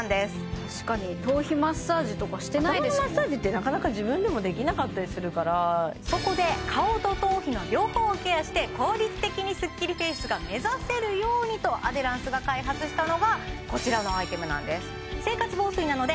確かに頭皮マッサージとかしてないですもん頭のマッサージってなかなか自分でもできなかったりするからそこで顔と頭皮の両方をケアして効率的にスッキリフェイスが目指せるようにとアデランスが開発したのがこちらのアイテムなんです